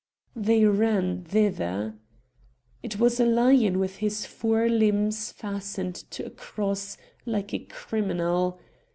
They ran thither. It was a lion with his four limbs fastened to a cross like a criminal.